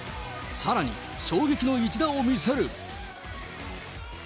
さらに、衝撃の一打を見せる。